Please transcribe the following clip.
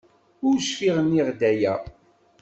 Ur cfiɣ nniɣ-d aya.